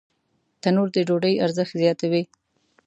تنور د ډوډۍ ارزښت زیاتوي